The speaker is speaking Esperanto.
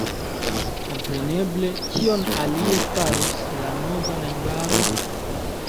Kompreneble; kion alie farus la nova najbaro?